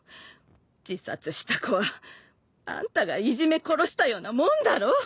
自殺した子はあんたがいじめ殺したようなもんだろう。